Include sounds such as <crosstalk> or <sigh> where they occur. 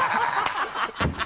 ハハハ <laughs>